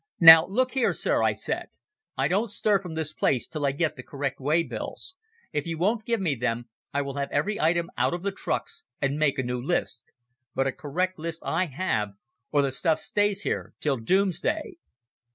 "Now look here, Sir," I said, "I don't stir from this place till I get the correct way bills. If you won't give me them, I will have every item out of the trucks and make a new list. But a correct list I have, or the stuff stays here till Doomsday."